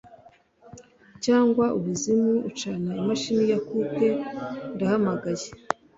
Cyangwa umuzimu ucana imashini za Coke Ndahamagaye